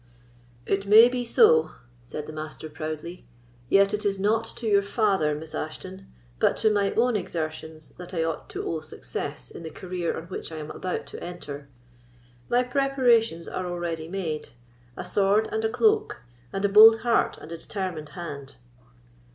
"It may be so," said the Master, proudly; "yet it is not to your father, Miss Ashton, but to my own exertions, that I ought to owe success in the career on which I am about to enter. My preparations are already made—a sword and a cloak, and a bold heart and a determined hand."